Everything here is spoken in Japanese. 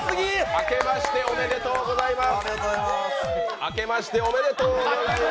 開けましておめでとうございます。